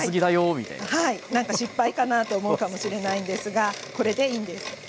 はいなんか失敗かなと思うかもしれないんですがこれでいいんです。